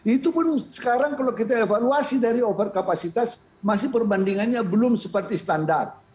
itu pun sekarang kalau kita evaluasi dari over kapasitas masih perbandingannya belum seperti standar